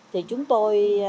thì chúng tôi